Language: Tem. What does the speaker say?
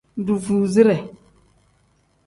Duvuuzire.